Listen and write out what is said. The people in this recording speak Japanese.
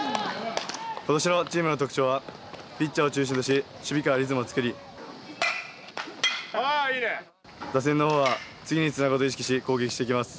今年のチームの特徴はピッチャーを中心とし守備からリズムを作り打線の方は次につなぐことを意識し、攻撃していきます。